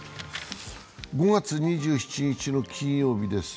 ５月２７日の金曜日です。